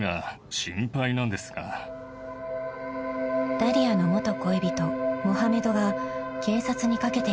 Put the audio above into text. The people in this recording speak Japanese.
☎［ダリアの元恋人モハメドが警察にかけていた電話］